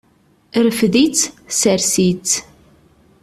Rfed-itt, sers-itt.